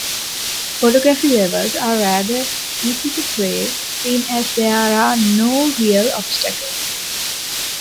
Photography levels are rather easy to play, seeing as there are no real obstacles.